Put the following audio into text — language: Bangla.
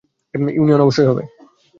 ইউনিয়ন অবশ্যই হবে।